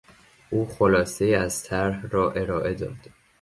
او خلاصهای از طرح را ارائه داد.